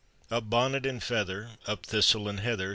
] Up, bonnet and feather! Up, thistle and heather!